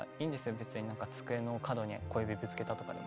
別になんか机の角に小指ぶつけたとかでも。